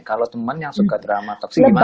kalau temen yang suka drama toxic gimana gitu